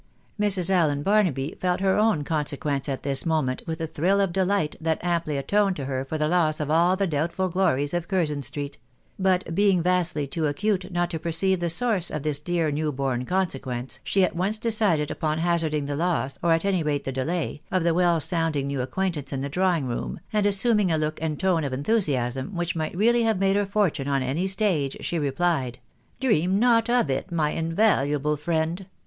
Mrs. Allen Barnaby felt her own consequence at this moment with a thrill of delight that amply atoned to her for the loss of all the doubtful glories of Curzon street ; but being vastly too acute not to perceive the source of this dear new born consequence, she at once decided upon hazarding the loss, or at any rate the delay, of the well sounding new acquaintance in the drawing room, and assuming a look and tone of enthusiasm, which might really have made her fortune on any stage, she replied, " Dream not of it, my invaluable friend